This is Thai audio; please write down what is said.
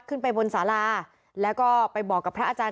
เมื่อวานแบงค์อยู่ไหนเมื่อวาน